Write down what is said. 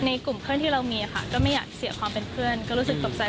กลุ่มเพื่อนที่เรามีค่ะก็ไม่อยากเสียความเป็นเพื่อนก็รู้สึกตกใจ